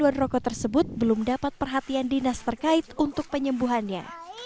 dan caduan rokok tersebut belum dapat perhatian dinas terkait untuk penyembuhannya